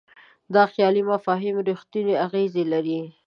دا خیالي مفاهیم رښتونی اغېز لري.